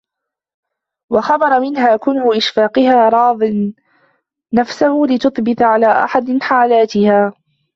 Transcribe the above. وَخَبَرَ مِنْهَا كُنْهَ إشْفَاقِهَا رَاضَ نَفْسَهُ لِتَثْبُتَ عَلَى أَحَدِ حَالَاتِهَا